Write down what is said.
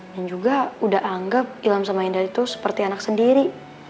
dan juga udah anggap ilham sama indah itu seperti anak sendiri